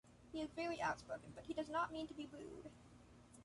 He is very outspoken; but he does not mean to be rude.